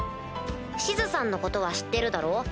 シズさんのことは知ってるだろ？